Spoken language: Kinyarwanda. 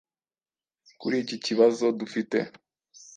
kuri iki kibazo dufite